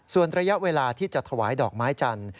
ส่วนระยะเวลาที่จะถวายดอกไม้จันทร์